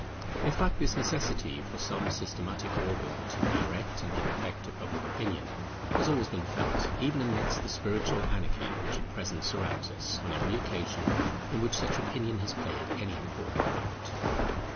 In fact this necessity for some systematic organ to direct and give effect to Public Opinion, has always been felt, even amidst the spiritual anarchy which at present surrounds us, on every occasion in which such opinion has played any important part.